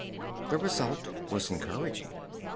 The result was encouraging.